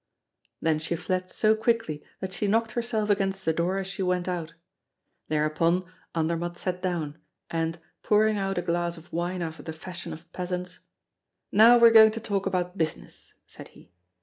Then she fled so quickly that she knocked herself against the door as she went out. Thereupon, Andermatt sat down, and, pouring out a glass of wine after the fashion of peasants: "Now we are going to talk about business," said he.